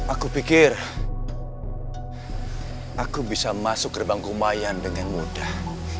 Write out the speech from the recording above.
aku pikir aku bisa masuk gerbang kumayan dengan mudah